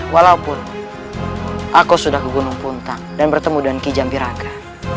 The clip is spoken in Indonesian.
walaupun aku sudah ke gunung puntang dan bertemu dengan kijambiraga